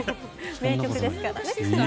名曲ですからね。